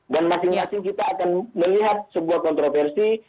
dan masing masing kita akan melihat sebuah kontroversi